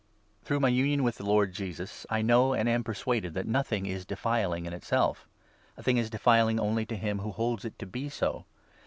Through my union with the Lord Jesus, 14 I know and am persuaded that nothing is 'defiling in itself.' A thing is ' defiling ' only to him who holds it to be so.